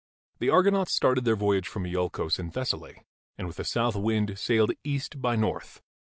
The Argonauts started their voyage from lolcos in Thessaly, and with a south wind sailed east by north.